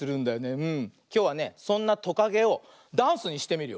きょうはねそんなトカゲをダンスにしてみるよ。